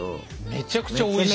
めちゃくちゃおいしい！